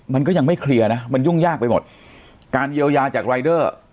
มันก็ยังไม่เคลียร์นะมันยุ่งยากไปหมดการเยียวยาจากรายเดอร์